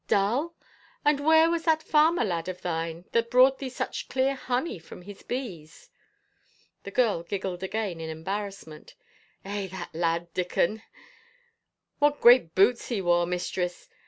" Dull ? And where was that farmer lad of thine that brought thee such clear honey from his bees ?" The girl giggled again in embarrassment. Eh, that lad — Dickon ... what g^eat boots he wore, mistress!